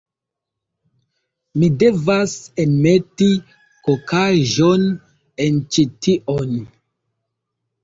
Mi devas enmeti kokaĵon en ĉi tion